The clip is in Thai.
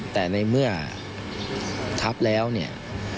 แต่ในเมื่อทับแล้วเนี่ย